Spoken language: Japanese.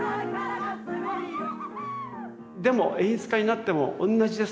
でも演出家になっても同じです。